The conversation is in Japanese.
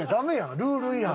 ルール違反やん。